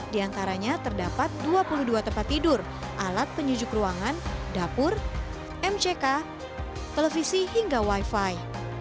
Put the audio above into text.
di antaranya terdapat dua puluh dua tempat tidur alat penyujuk ruangan dapur mck televisi hingga wifi